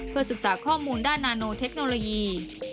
ศึกษาข้อมูลด้านนาโนเทคโนโลยี